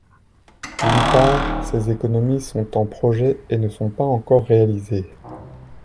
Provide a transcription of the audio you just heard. D’une part, ces économies sont en projet et ne sont pas encore réalisées.